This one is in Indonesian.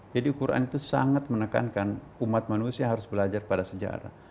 jadi quran itu sangat menekankan umat manusia harus belajar pada sejarah